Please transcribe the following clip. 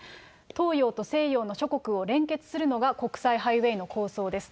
東洋と西洋の諸国を連結するのは国際ハイウェイの構想です。